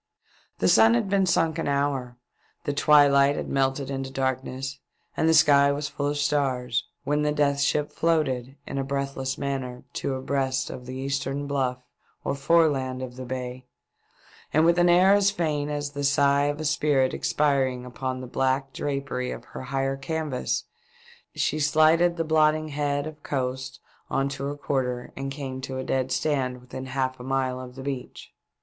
The sun had been sunk an hour, the twi light had melted into darkness, and the sky was full of stars, when the Death Ship floated in a breathless manner to abreast of the eastern bluff or foreland of the bay, and with an air as faint as the sigh of a spirit expiring upon the black drapery of her higher canvas, she slided the blotting head of coast on to her quarter, and came to a dead stand within half a mile of the beach.